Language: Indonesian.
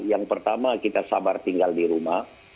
yang pertama kita sabar tinggal di rumah